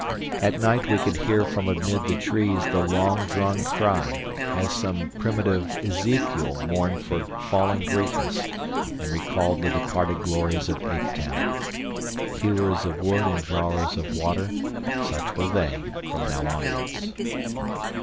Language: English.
At night we could hear from amid the trees the long drawn cry, as some primitive Ezekiel mourned for fallen greatness and recalled the departed glories of Ape Town. Hewers of wood and drawers of water, such were they from now onwards.